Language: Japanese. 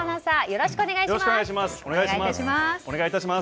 よろしくお願いします。